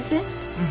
うん。